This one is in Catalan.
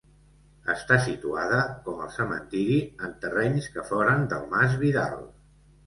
Està situada, com el cementiri, en terrenys que foren del mas Vidal.